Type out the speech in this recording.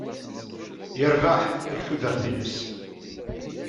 Yerbeḥ deg tudert-nnes.